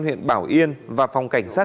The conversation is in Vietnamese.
huyện bảo yên và phòng cảnh sát